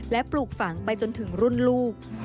และปลูกฝังไปจนถึงรุ่นลูก